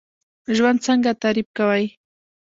ژوند څنګه تعریف کوئ؟